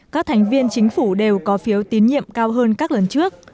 các thành viên chính phủ đều có phiếu tín nhiệm cao hơn các lần trước